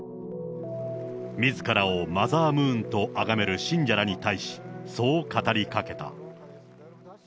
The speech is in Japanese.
みずからをマザームーンとあがめる信者らに対し、そう語りかけた。